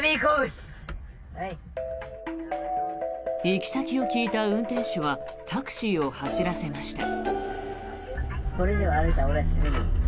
行き先を聞いた運転手はタクシーを走らせました。